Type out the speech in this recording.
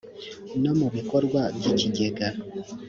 no mu bikorwa by ikigega